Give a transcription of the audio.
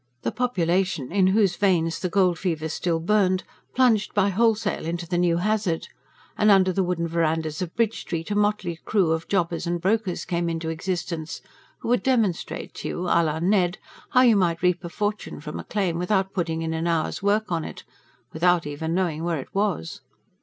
The population, in whose veins the gold fever still burned, plunged by wholesale into the new hazard; and under the wooden verandahs of Bridge Street a motley crew of jobbers and brokers came into existence, who would demonstrate to you, a la Ned, how you might reap a fortune from a claim without putting in an hour's work on it without even knowing where it was.